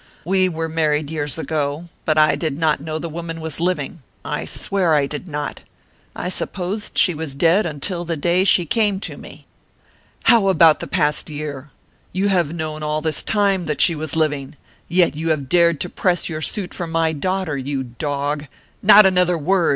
"We were married years ago, but I did not know the woman was living; I swear I did not. I supposed she was dead until the day she came to me." "How about the past year? You have known all this time that she was living, yet you have dared to press your suit for my daughter, you dog! Not another word!"